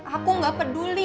aku gak peduli